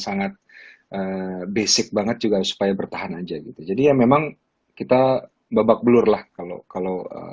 sangat basic banget juga supaya bertahan aja gitu jadi ya memang kita babak belur lah kalau kalau